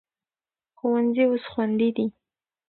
ښوونځي اوس خوندي دي.